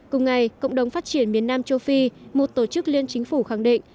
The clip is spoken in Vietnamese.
cùng ngày cộng đồng phát triển miền nam châu phi một tổ chức liên chính phủ khẳng định